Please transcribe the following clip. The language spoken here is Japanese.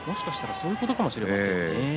そういうことかもしれませんね。